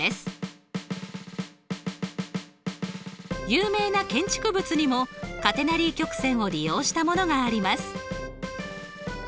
有名な建築物にもカテナリー曲線を利用したものがあります。